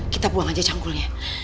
kita buang aja canggulnya